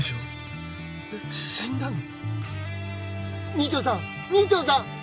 二丁さん二丁さん！